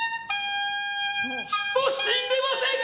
人死んでませんか？